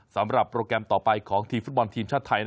สำหรับโปรแกรมต่อไปของทีมฟุตบอลทีมชาติไทย